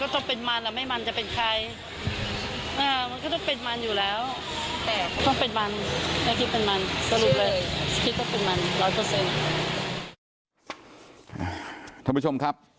ท่านผู้ชมครับ